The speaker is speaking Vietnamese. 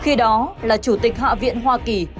khi đó là chủ tịch hạ viện hoa kỳ